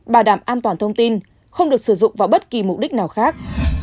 bảo đảm an toàn thông tin không được sử dụng vào bất kỳ mục đích nào khác